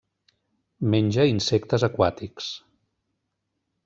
Menja insectes aquàtics.